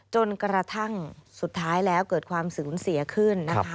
จนกระทั่งสุดท้ายแล้วเกิดความสูญเสียขึ้นนะคะ